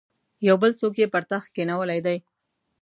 یو بل څوک یې پر تخت کښېنولی دی.